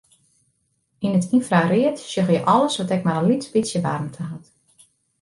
Yn it ynfraread sjogge je alles wat ek mar in lyts bytsje waarmte hat.